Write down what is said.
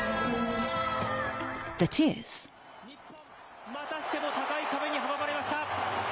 お前、日本、またしても高い壁に阻まれました。